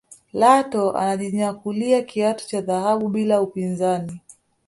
Lato alijinyakulia kiatu cha dhahabu bila upinzani